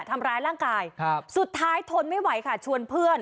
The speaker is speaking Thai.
ทำร้ายร่างกายสุดท้ายทนไม่ไหวค่ะชวนเพื่อน